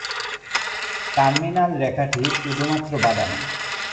Terminal রেখাটি শুধুমাত্র বাদামী।